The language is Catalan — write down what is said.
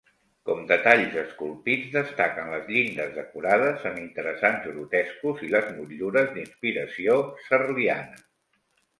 Com detalls esculpits destaquen les llindes decorades amb interessants grotescos i les motllures d'inspiració serliana.